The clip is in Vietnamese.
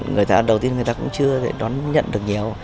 người ta đầu tiên cũng chưa đón nhận được nhiều